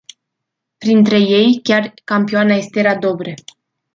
Printre ei chiar campioana Estera Dobre.